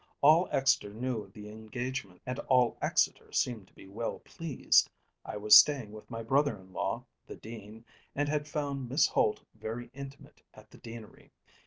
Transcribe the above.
All Exeter knew of the engagement, and all Exeter seemed to be well pleased. I was staying with my brother in law, the Dean, and had found Miss Holt very intimate at the Deanery.